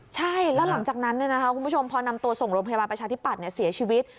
ใช่แล้วหลังจากนั้นคุณผู้ชมพอนำตัวส่งโรงพยาบาลประชาธิปัตย์เสียชีวิต